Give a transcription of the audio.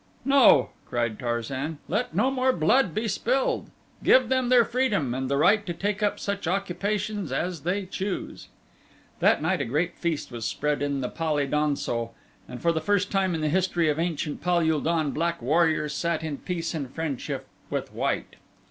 "No," cried Tarzan. "Let no more blood be spilled. Give them their freedom and the right to take up such occupations as they choose." That night a great feast was spread in the pal e don so and for the first time in the history of ancient Pal ul don black warriors sat in peace and friendship with white.